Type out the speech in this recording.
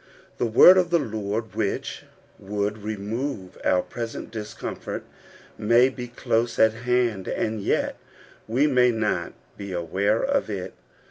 The word of the Lord which would remove our present discomfort may be close at hand^ and yet we may not be aware of it.